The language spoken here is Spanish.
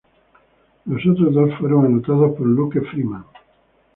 Los otros dos fueron anotados por Luke Freeman.